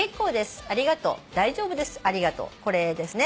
これですね